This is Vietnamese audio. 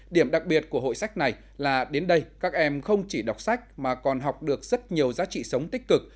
điểm đặc biệt của hội sách này là đến đây các em không chỉ đọc sách mà còn học được rất nhiều giá trị sống tích cực